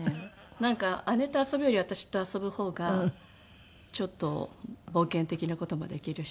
なんか姉と遊ぶより私と遊ぶ方がちょっと冒険的な事もできるし。